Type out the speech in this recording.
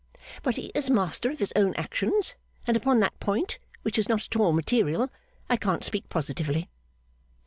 But he is master of his own actions; and upon that point (which is not at all material) I can't speak positively.